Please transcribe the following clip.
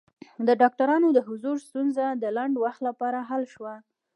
د ډاکټرانو د حضور ستونزه د لنډ وخت لپاره حل شوه.